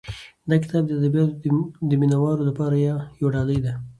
دا کتاب د ادبیاتو د مینه والو لپاره یو ډالۍ ده.